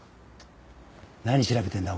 何調べてるんだ？